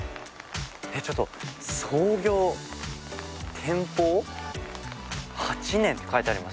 えっちょっと創業天保八年って書いてありますよ。